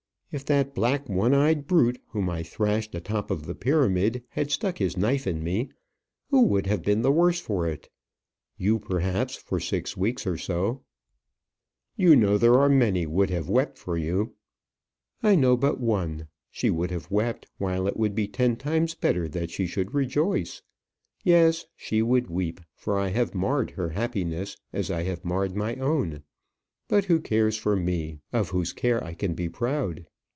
If that black, one eyed brute, whom I thrashed a top of the pyramid, had stuck his knife in me, who would have been the worse for it? You, perhaps for six weeks or so." "You know there are many would have wept for you." "I know but one. She would have wept, while it would be ten times better that she should rejoice. Yes, she would weep; for I have marred her happiness as I have marred my own. But who cares for me, of whose care I can be proud?